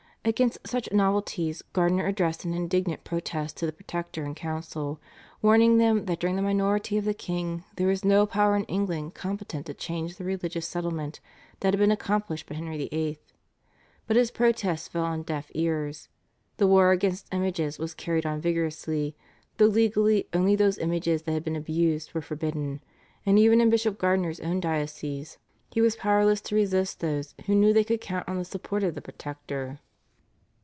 Against such novelties Gardiner addressed an indignant protest to the Protector and council, warning them that during the minority of the king there was no power in England competent to change the religious settlement that had been accomplished by Henry VIII. But his protest fell on deaf ears. The war against images was carried on vigorously, though legally only those images that had been abused were forbidden, and even in Bishop Gardiner's own diocese he was powerless to resist those who knew they could count on the support of the Protector.